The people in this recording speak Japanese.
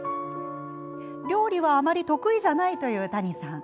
料理はあまり得意じゃないという谷さん。